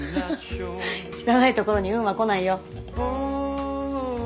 汚いところに運は来ないよ！